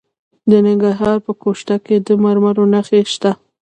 د ننګرهار په ګوشته کې د مرمرو نښې شته.